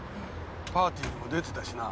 パーティーにも出てたしな。